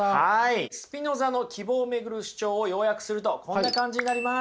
スピノザの希望を巡る主張を要約するとこんな感じになります。